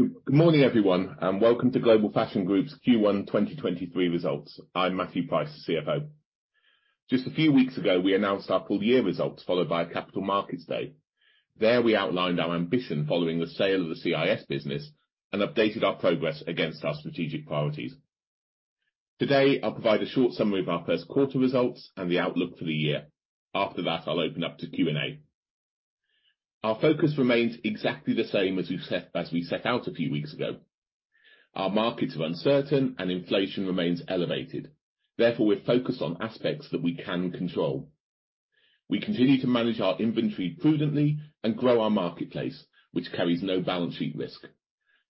Good morning, everyone, welcome to Global Fashion Group's Q1 2023 Results. I'm Matthew Price, CFO. Just a few weeks ago, we announced our full year results, followed by a Capital Markets Day. There, we outlined our ambition following the sale of the CIS business and updated our progress against our strategic priorities. Today, I'll provide a short summary of our Q1 results and the outlook for the year. After that, I'll open up to Q&A. Our focus remains exactly the same as we set out a few weeks ago. Our markets are uncertain, inflation remains elevated. Therefore, we're focused on aspects that we can control. We continue to manage our inventory prudently and grow our marketplace, which carries no balance sheet risk.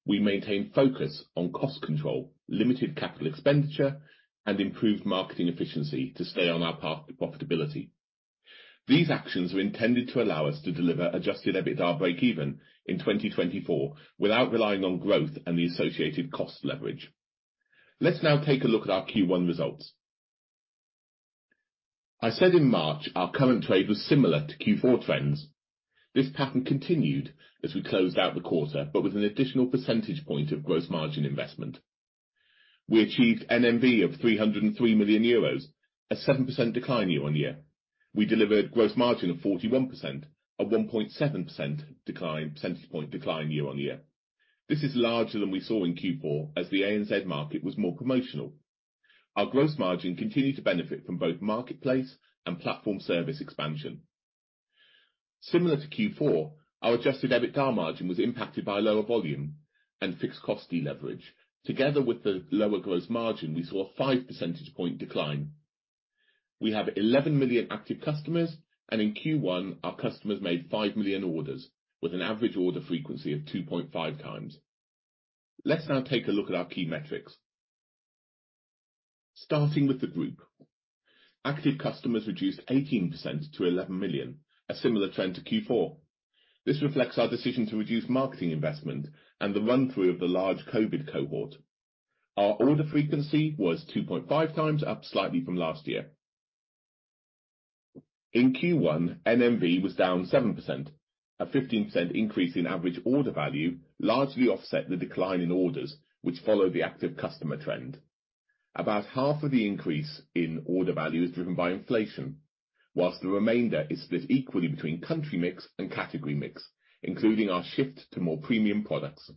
We maintain focus on cost control, limited capital expenditure, and improved marketing efficiency to stay on our path to profitability. These actions are intended to allow us to deliver adjusted EBITDA break-even in 2024 without relying on growth and the associated cost leverage. Let's now take a look at our Q1 results. I said in March our current trade was similar to Q4 trends. This pattern continued as we closed out the quarter with an additional percentage point of gross margin investment. We achieved NMV of 303 million euros, a 7% decline year-on-year. We delivered gross margin of 41%, a 1.7 percentage point decline year-on-year. This is larger than we saw in Q4 as the ANZ market was more promotional. Our gross margin continued to benefit from both marketplace and platform service expansion. Similar to Q4, our adjusted EBITDA margin was impacted by lower volume and fixed cost deleverage. Together with the lower gross margin, we saw a 5 percentage point decline. We have 11 million active customers. In Q1, our customers made 5 million orders with an average order frequency of 2.5x. Let's now take a look at our key metrics. Starting with the group. Active customers reduced 18% to 11 million, a similar trend to Q4. This reflects our decision to reduce marketing investment and the run-through of the large COVID cohort. Our order frequency was 2.5x, up slightly from last year. In Q1, NMV was down 7%, a 15% increase in average order value, largely offset the decline in orders, which followed the active customer trend. About half of the increase in order value is driven by inflation, while the remainder is split equally between country mix and category mix, including our shift to more premium products.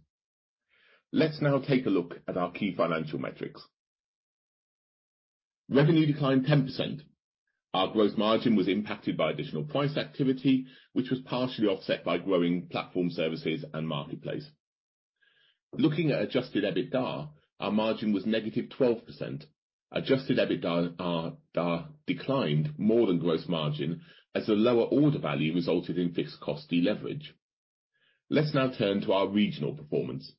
Let's now take a look at our key financial metrics. Revenue declined 10%. Our gross margin was impacted by additional price activity, which was partially offset by growing platform services and marketplace. Looking at adjusted EBITDA, our margin was negative 12%. Adjusted EBITDA declined more than gross margin as the lower order value resulted in fixed cost deleverage. Let's now turn to our regional performance.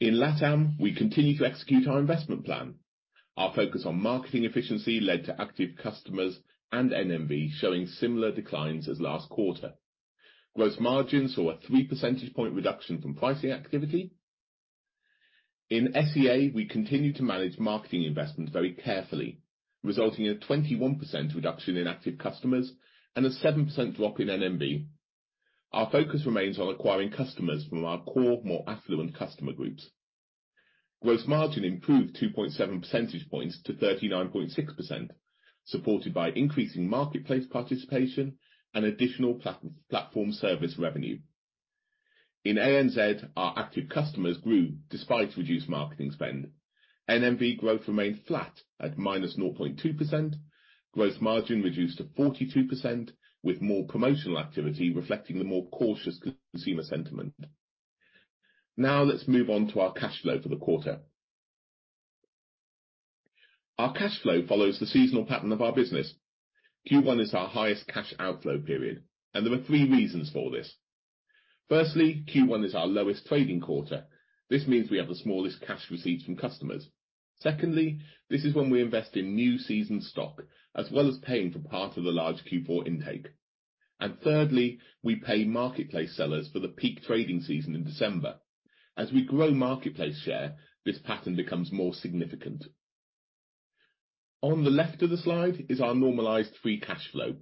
In LATAM, we continue to execute our investment plan. Our focus on marketing efficiency led to active customers and NMV showing similar declines as last quarter. Gross margin saw a three percentage point reduction from pricing activity. In SEA, we continued to manage marketing investments very carefully, resulting in a 21% reduction in active customers and a 7% drop in NMV. Our focus remains on acquiring customers from our core, more affluent customer groups. Gross margin improved 2.7 percentage points to 39.6%, supported by increasing marketplace participation and additional platform service revenue. In ANZ, our active customers grew despite reduced marketing spend. NMV growth remained flat at minus 0.2%. Growth margin reduced to 42%, with more promotional activity reflecting the more cautious consumer sentiment. Let's move on to our cash flow for the quarter. Our cash flow follows the seasonal pattern of our business. Q1 is our highest cash outflow period, there are three reasons for this. Firstly, Q1 is our lowest trading quarter. This means we have the smallest cash receipts from customers. Secondly, this is when we invest in new season stock, as well as paying for part of the large Q4 intake. Thirdly, we pay marketplace sellers for the peak trading season in December. As we grow marketplace share, this pattern becomes more significant. On the left of the slide is our normalized free cash flow.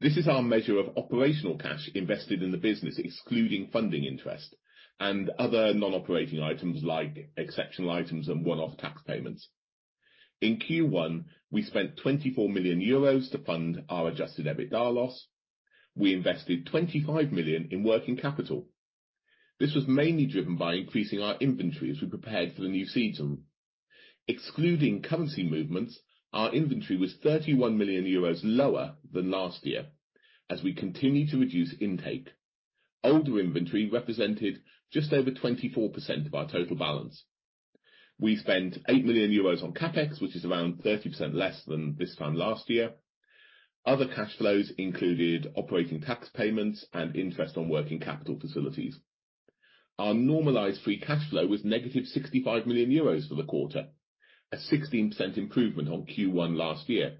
This is our measure of operational cash invested in the business, excluding funding interest and other non-operating items like exceptional items and one-off tax payments. In Q1, we spent 24 million euros to fund our adjusted EBITDA loss. We invested 25 million in working capital. This was mainly driven by increasing our inventory as we prepared for the new season. Excluding currency movements, our inventory was 31 million euros lower than last year as we continue to reduce intake. Older inventory represented just over 24% of our total balance. We spent 8 million euros on CapEx, which is around 30% less than this time last year. Other cash flows included operating tax payments and interest on working capital facilities. Our normalized free cash flow was negative 65 million euros for the quarter, a 16% improvement on Q1 last year,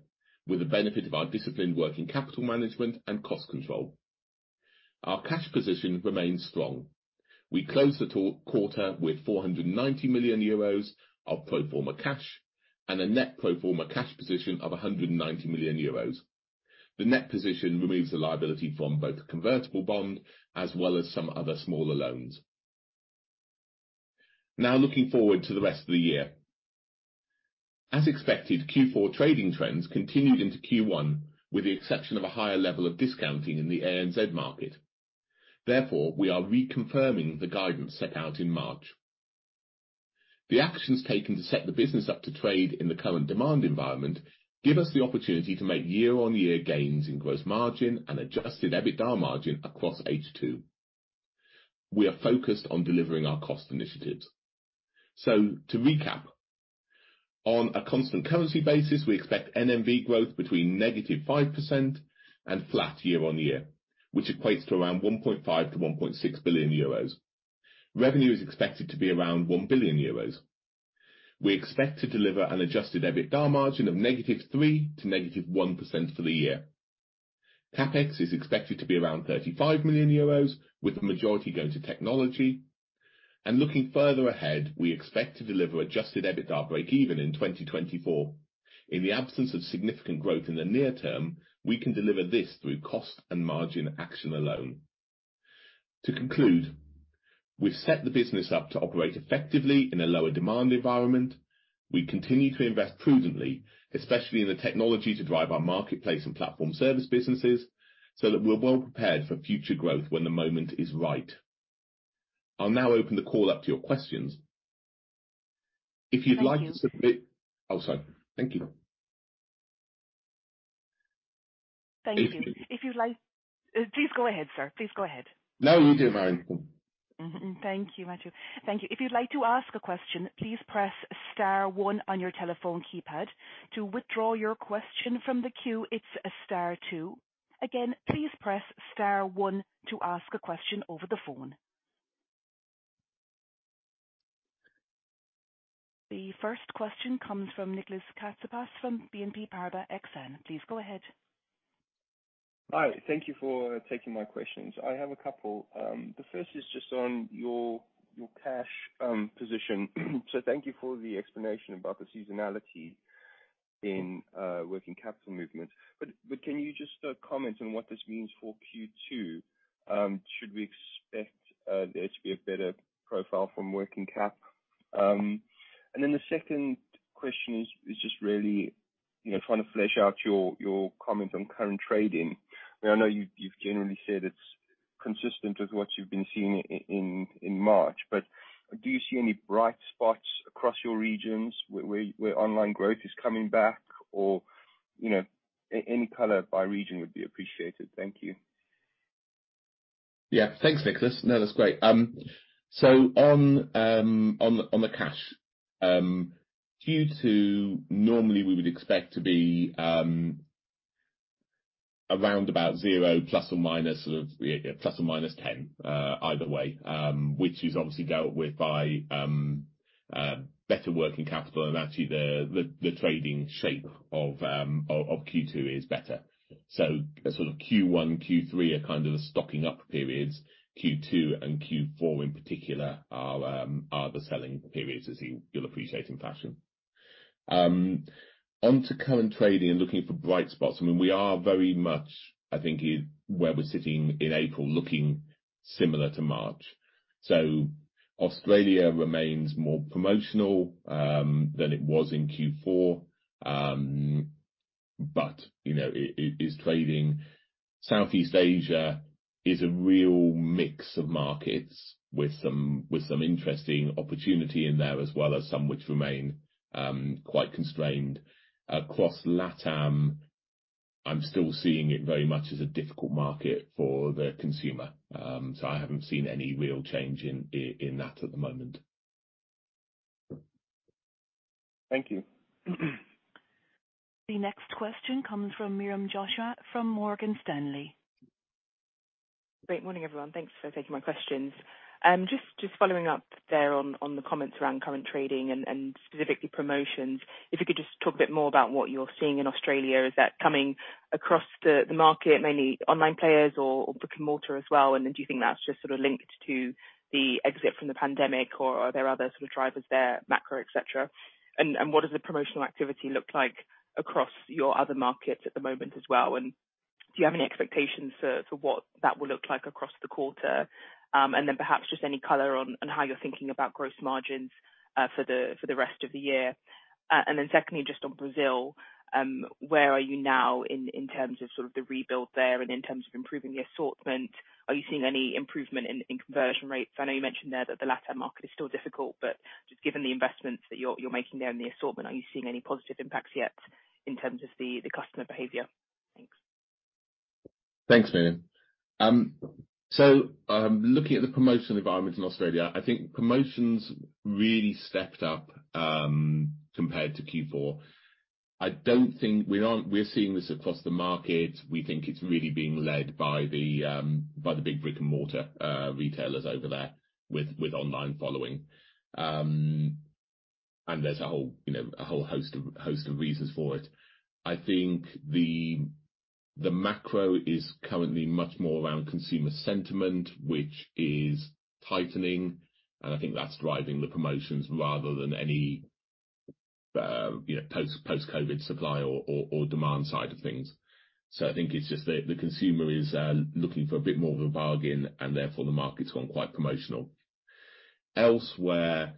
with the benefit of our disciplined working capital management and cost control. Our cash position remains strong. We close the quarter with 490 million euros of pro forma cash. A net pro forma cash position of 190 million euros. The net position removes the liability from both the convertible bond as well as some other smaller loans. Now, looking forward to the rest of the year. As expected, Q4 trading trends continued into Q1, with the exception of a higher level of discounting in the ANZ market. Therefore, we are reconfirming the guidance set out in March. The actions taken to set the business up to trade in the current demand environment give us the opportunity to make year-on-year gains in gross margin and adjusted EBITDA margin across H2. We are focused on delivering our cost initiatives. To recap, on a constant currency basis, we expect NMV growth between -5% and flat year-on-year, which equates to around 1.5 billion-1.6 billion euros. Revenue is expected to be around 1 billion euros. We expect to deliver an adjusted EBITDA margin of -3% to -1% for the year. CapEx is expected to be around 35 million euros, with the majority going to technology. Looking further ahead, we expect to deliver adjusted EBITDA breakeven in 2024. In the absence of significant growth in the near term, we can deliver this through cost and margin action alone. To conclude, we've set the business up to operate effectively in a lower demand environment. We continue to invest prudently, especially in the technology to drive our marketplace and platform service businesses, so that we're well prepared for future growth when the moment is right. I'll now open the call up to your questions. If you'd like to. Thank you. Oh, sorry. Thank you. Thank you. Please go ahead, sir. Please go ahead. No, you do it, Marion. Thank you, Matthew. Thank you. If you'd like to ask a question, please press star one on your telephone keypad. To withdraw your question from the queue, it's star two. Again, please press star one to ask a question over the phone. The first question comes from Nicolas Katsapas, from BNP Paribas Exane. Please go ahead. Hi, thank you for taking my questions. I have a couple. The first is just on your cash position. Thank you for the explanation about the seasonality in working capital movement. Can you just comment on what this means for Q2? Should we expect there to be a better profile from working capital? The second question is just really, you know, trying to flesh out your comment on current trading. I know you've generally said it's consistent with what you've been seeing in March. Do you see any bright spots across your regions where online growth is coming back or, you know, any color by region would be appreciated? Thank you. Yeah. Thanks, Nicholas. No, that's great. On the cash. Q2, normally we would expect to be around about zero ±10 either way, which is obviously dealt with by better working capital and actually the trading shape of Q2 is better. Q1, Q3 are kind of the stocking up periods. Q2 and Q4 in particular are the selling periods, as you'll appreciate in fashion. Onto current trading and looking for bright spots. I mean, we are very much, I think, where we're sitting in April, looking similar to March. Australia remains more promotional than it was in Q4. You know, it is trading. Southeast Asia is a real mix of markets with some interesting opportunity in there, as well as some which remain quite constrained. Across LATAM, I'm still seeing it very much as a difficult market for the consumer. I haven't seen any real change in that at the moment. Thank you. The next question comes from Miriam Josiah from Morgan Stanley. Great morning, everyone. Thanks for taking my questions. Just following up there on the comments around current trading and specifically promotions. If you could just talk a bit more about what you're seeing in Australia. Is that coming across the market, mainly online players or brick-and-mortar as well? Do you think that's just sort of linked to the exit from the pandemic or are there other sort of drivers there, macro, et cetera? What does the promotional activity look like across your other markets at the moment as well? Do you have any expectations for what that will look like across the quarter? Then perhaps just any color on how you're thinking about gross margins for the rest of the year. Secondly, just on Brazil, where are you now in terms of sort of the rebuild there and in terms of improving the assortment? Are you seeing any improvement in conversion rates? I know you mentioned there that the LATAM market is still difficult, but just given the investments that you're making there in the assortment, are you seeing any positive impacts yet in terms of the customer behavior? Thanks. Thanks, Miriam. Looking at the promotional environment in Australia, I think promotions really stepped up compared to Q4. We're seeing this across the market. We think it's really being led by the big brick-and-mortar retailers over there with online following. There's a whole, you know, a whole host of reasons for it. I think the macro is currently much more around consumer sentiment, which is tightening, and I think that's driving the promotions rather than any, you know, post-COVID supply or demand side of things. I think it's just the consumer is looking for a bit more of a bargain and therefore the market's gone quite promotional. Elsewhere,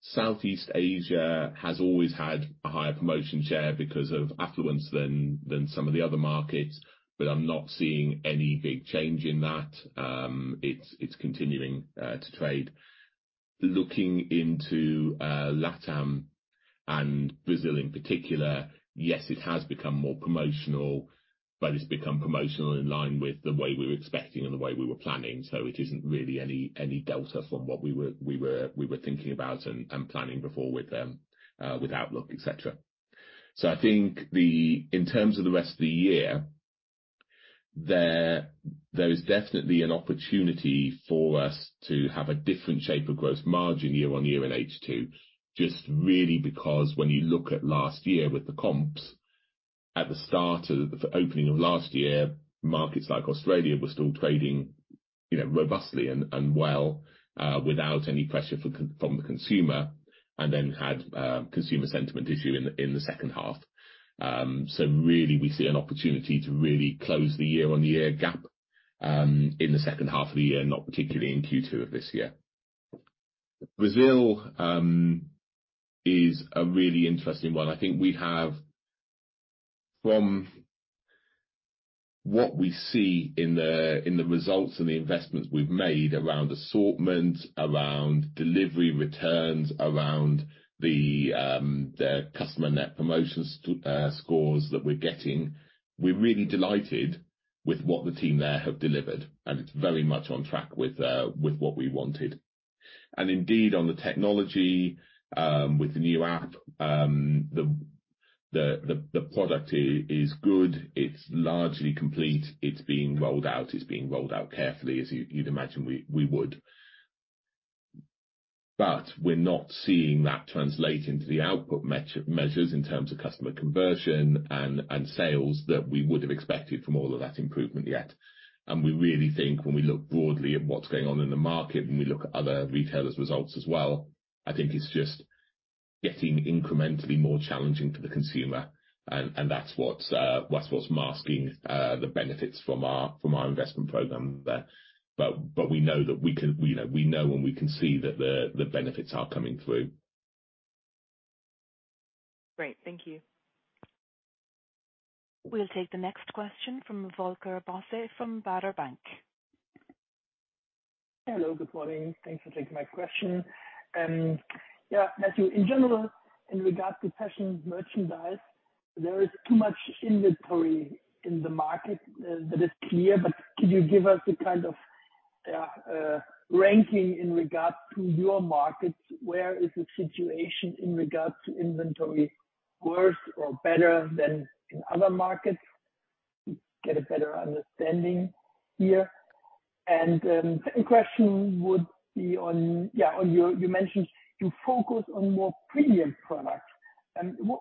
Southeast Asia has always had a higher promotion share because of affluence than some of the other markets, but I'm not seeing any big change in that. It's continuing to trade. Looking into LATAM and Brazil in particular, yes, it has become more promotional, but it's become promotional in line with the way we were expecting and the way we were planning. It isn't really any delta from what we were thinking about and planning before with them, within the outlook, et cetera. I think, in terms of the rest of the year, there is definitely an opportunity for us to have a different shape of gross margin year-on-year in H2, just really because when you look at last year with the comps, at the opening of last year, markets like Australia were still trading, you know, robustly and well, without any pressure from the consumer, and then had consumer sentiment issue in the H2. Really we see an opportunity to really close the year-on-year gap in the H2 of the year, not particularly in Q2 of this year. Brazil is a really interesting one. I think we have from what we see in the, in the results and the investments we've made around assortment, around delivery, returns, around the customer net promotion scores that we're getting, we're really delighted with what the team there have delivered, and it's very much on track with what we wanted. Indeed, on the technology, with the new app, the product is good. It's largely complete. It's being rolled out. It's being rolled out carefully, as you'd imagine we would. We're not seeing that translate into the output measures in terms of customer conversion and sales that we would have expected from all of that improvement yet. We really think when we look broadly at what's going on in the market, when we look at other retailers' results as well, I think it's just getting incrementally more challenging to the consumer and that's what's masking the benefits from our investment program there. We know that we can, you know, we know and we can see that the benefits are coming through. Great. Thank you. We'll take the next question from Volker Bosse from Baader Bank. Hello, good morning. Thanks for taking my question. Yeah, Matthew, in general, in regards to fashion merchandise, there is too much inventory in the market. That is clear, but could you give us a kind of ranking in regards to your markets? Where is the situation in regards to inventory worse or better than in other markets? Get a better understanding here. Second question would be on you mentioned you focus on more premium products.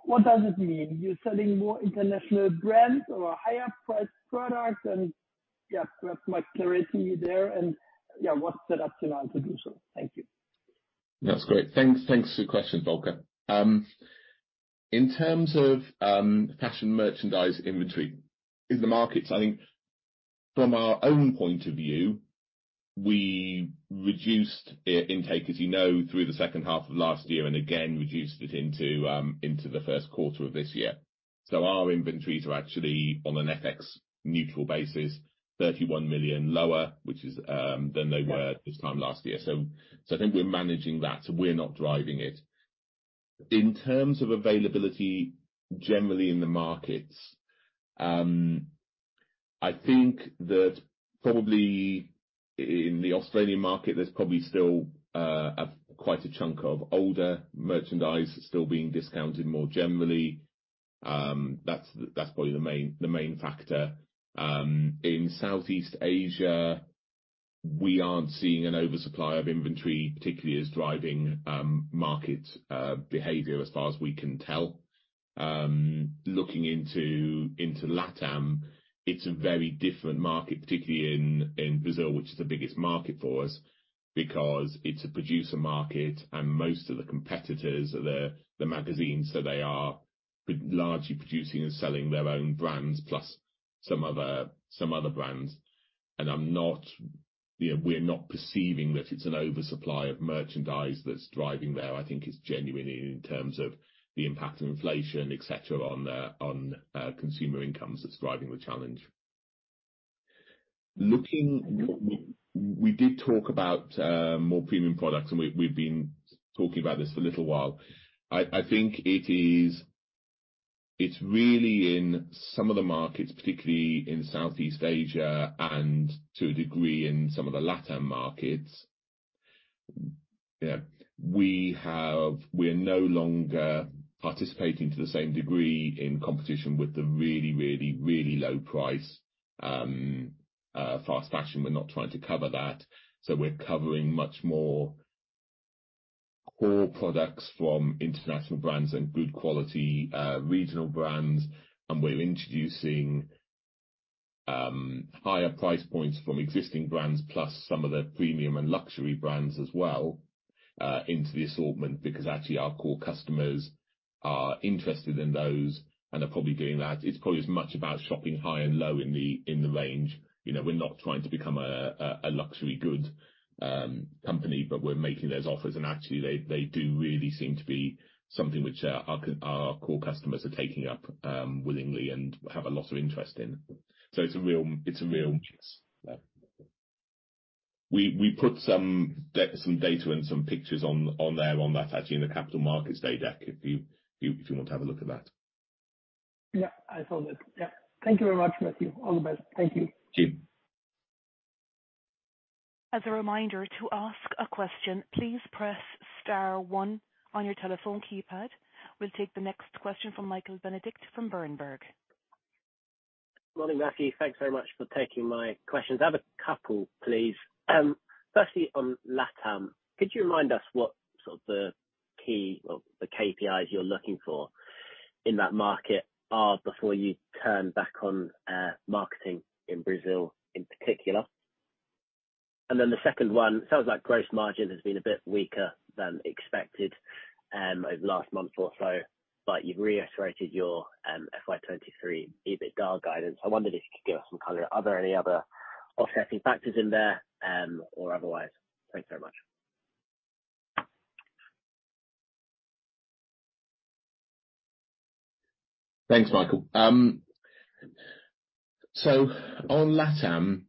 What does it mean? You're selling more international brands or higher priced products? Perhaps much clarity there. What's the rationale to do so? Thank you. That's great. Thanks for the question, Volker. In terms of fashion merchandise inventory in the markets, I think from our own point of view, we reduced intake, as you know, through the H2 of last year, and again, reduced it into the Q1 of this year. Our inventories are actually on an FX neutral basis, 31 million lower, which they were this time last year. I think we're managing that. We're not driving it. In terms of availability generally in the markets, I think that probably in the Australian market, there's probably still quite a chunk of older merchandise still being discounted more generally. That's probably the main, the main factor. In Southeast Asia, we aren't seeing an oversupply of inventory, particularly as driving market behavior as far as we can tell. Looking into LATAM, it's a very different market, particularly in Brazil, which is the biggest market for us, because it's a producer market and most of the competitors are the marketplaces. They are largely producing and selling their own brands plus some other brands. You know, we're not perceiving that it's an oversupply of merchandise that's driving there. I think it's genuinely in terms of the impact of inflation, et cetera, on consumer incomes that's driving the challenge. We did talk about more premium products, and we've been talking about this for a little while. I think it's really in some of the markets, particularly in Southeast Asia and to a degree in some of the LATAM markets. You know, we're no longer participating to the same degree in competition with the really low price, fast fashion. We're not trying to cover that. We're covering much more-Core products from international brands and good quality, regional brands. We're introducing, higher price points from existing brands, plus some of the premium and luxury brands as well, into the assortment because actually our core customers are interested in those and are probably doing that. It's probably as much about shopping high and low in the range. You know, we're not trying to become a luxury goods company. We're making those offers. Actually, they do really seem to be something which our core customers are taking up willingly and have a lot of interest in. We put some data and some pictures on there on that actually in the Capital Markets Day deck, if you want to have a look at that. Yeah, I saw that. Yeah. Thank you very much, Matthew. All the best. Thank you. Cheers. As a reminder to ask a question, please press star one on your telephone keypad. We'll take the next question from Michael Benedict from Berenberg. Morning, Matthew. Thanks very much for taking my questions. I have a couple, please. Firstly on LATAM, could you remind us what sort of the key or the KPIs you're looking for in that market are before you turn back on marketing in Brazil in particular? The second one, it sounds like gross margin has been a bit weaker than expected over the last month or so, but you've reiterated your FY 2023 EBITDA guidance. I wondered if you could give us some color. Are there any other offsetting factors in there or otherwise? Thanks very much. Thanks, Michael. On LATAM,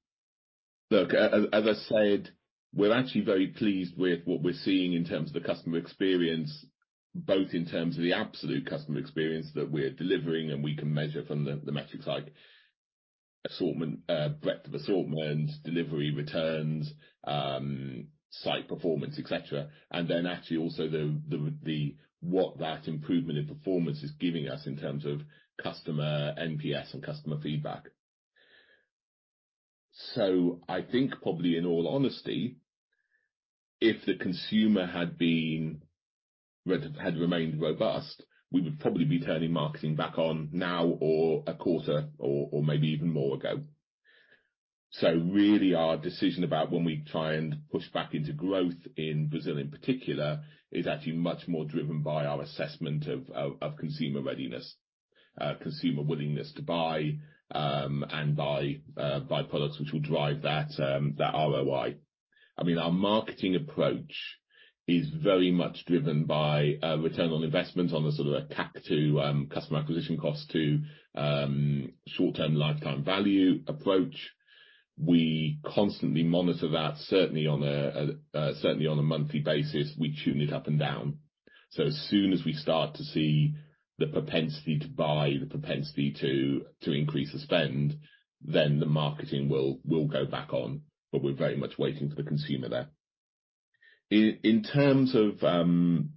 look, as I said, we're actually very pleased with what we're seeing in terms of the customer experience, both in terms of the absolute customer experience that we're delivering and we can measure from the metrics like assortment, breadth of assortment, delivery, returns, site performance, et cetera. Actually also the what that improvement in performance is giving us in terms of customer NPS and customer feedback. I think probably in all honesty, if the consumer had remained robust, we would probably be turning marketing back on now or a quarter or maybe even more ago. Really our decision about when we try and push back into growth in Brazil in particular, is actually much more driven by our assessment of consumer readiness, consumer willingness to buy, and buy products which will drive that ROI. I mean, our marketing approach is very much driven by return on investment on a sort of a CAC-to-LAV Customer Acquisition Cost to short-term Lifetime Value pproach. We constantly monitor that, certainly on a monthly basis. We tune it up and down. As soon as we start to see the propensity to buy, the propensity to increase the spend, then the marketing will go back on. We're very much waiting for the consumer there. In terms of some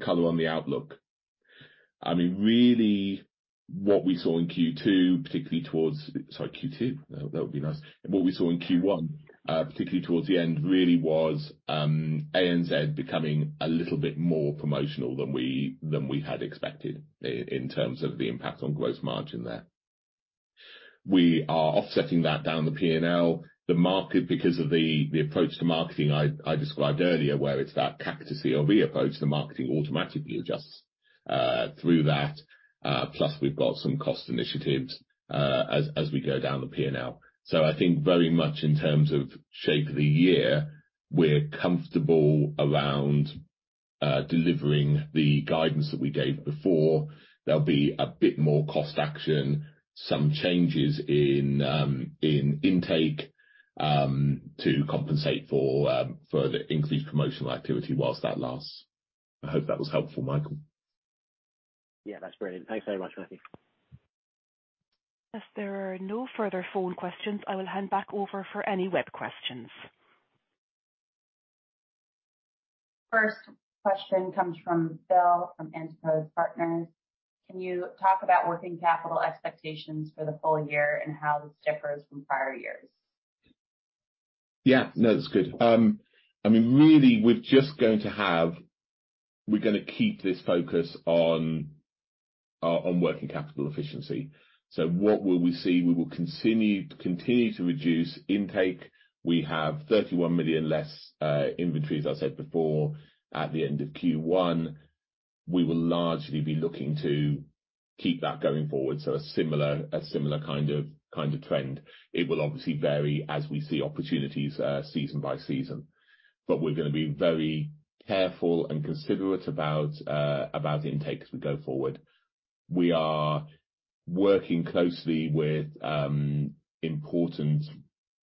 color on the outlook. I mean, really what we saw in Q2, particularly towards. Sorry, Q2? That would be nice. What we saw in Q1, particularly towards the end, really was ANZ becoming a little bit more promotional than we had expected in terms of the impact on gross margin there. We are offsetting that down the P&L. The market, because of the approach to marketing I described earlier, where it's that CAC to CLV approach, the marketing automatically adjusts through that. Plus we've got some cost initiatives as we go down the P&L. I think very much in terms of shape of the year, we're comfortable around delivering the guidance that we gave before. There'll be a bit more cost action, some changes in intake to compensate for the increased promotional activity whilst that lasts. I hope that was helpful, Michael. Yeah, that's brilliant. Thanks very much, Matthew. As there are no further phone questions, I will hand back over for any web questions. First question comes from Bill from Antipodes Partners. Can you talk about working capital expectations for the full year and how this differs from prior years? Yeah. No, that's good. I mean, really, we're gonna keep this focus on working capital efficiency. What will we see? We will continue to reduce intake. We have 31 million less inventory, as I said before, at the end of Q1. We will largely be looking to keep that going forward. A similar kind of trend. It will obviously vary as we see opportunities season by season. We're gonna be very careful and considerate about intake as we go forward. We are working closely with important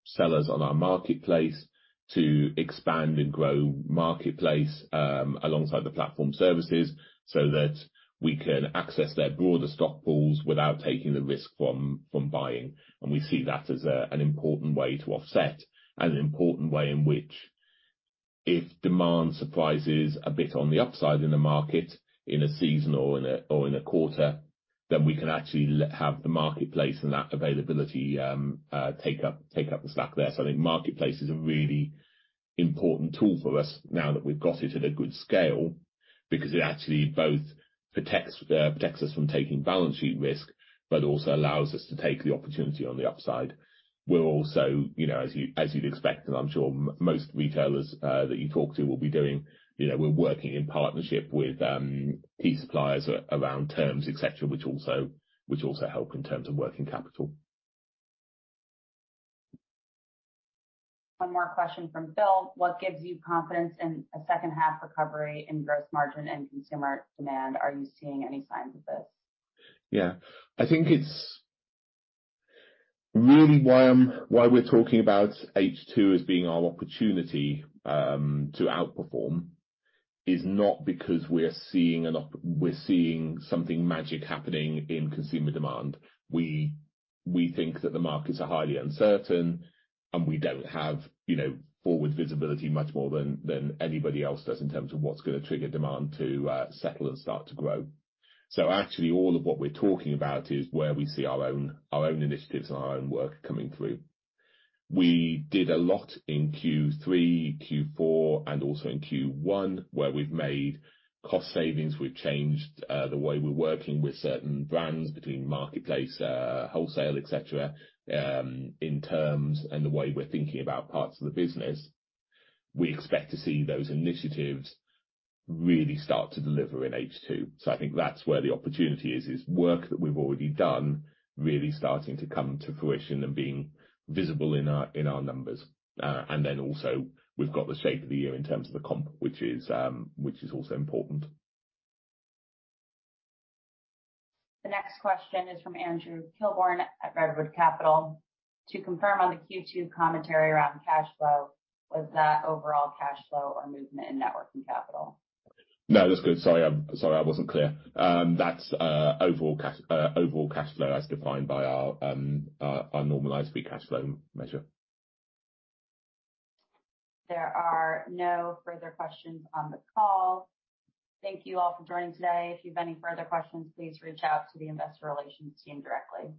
sellers on our marketplace to expand and grow marketplace alongside the platform services so that we can access their broader stock pools without taking the risk from buying. We see that as an important way to offset and an important way in which if demand surprises a bit on the upside in the market, in a season or in a quarter. We can actually have the marketplace and that availability, take up the slack there. I think marketplace is a really important tool for us now that we've got it at a good scale, because it actually both protects us from taking balance sheet risk, but also allows us to take the opportunity on the upside. We're also, you know, as you'd expect, and I'm sure most retailers that you talk to will be doing, you know, we're working in partnership with key suppliers around terms, et cetera, which also help in terms of working capital. One more question from Phil: What gives you confidence in a H2 recovery in gross margin and consumer demand? Are you seeing any signs of this? I think it's really why we're talking about H2 as being our opportunity to outperform is not because we're seeing something magic happening in consumer demand. We think that the markets are highly uncertain, and we don't have, you know, forward visibility much more than anybody else does in terms of what's gonna trigger demand to settle and start to grow. Actually, all of what we're talking about is where we see our own, our own initiatives and our own work coming through. We did a lot in Q3, Q4, and also in Q1, where we've made cost savings. We've changed the way we're working with certain brands between marketplace, wholesale, et cetera, in terms and the way we're thinking about parts of the business. We expect to see those initiatives really start to deliver in H2. I think that's where the opportunity is work that we've already done really starting to come to fruition and being visible in our numbers. Also we've got the shape of the year in terms of the comp, which is also important. The next question is from Andrew Kilbourne at Redwood Capital: To confirm on the Q2 commentary around cash flow, was that overall cash flow or movement in net working capital? No, that's good. Saori, sorry I wasn't clear. That's overall cash flow as defined by our normalized free cash flow measure. There are no further questions on the call. Thank you all for joining today. If you've any further questions, please reach out to the investor relations team directly.